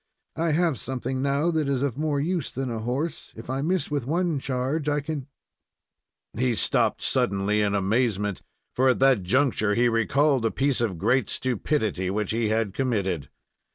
I have something now that is of more use than a horse. If I miss with one charge, I can " He stopped suddenly in amazement, for at that juncture he recalled a piece of great stupidity which he had committed.